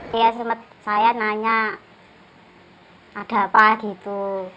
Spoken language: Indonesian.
dia sempat saya nanya ada apa gitu